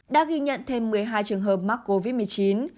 đã ghi nhận thêm một mươi hai trường hợp mắc covid một mươi chín